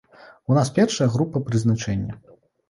У нас першая група прызначэння.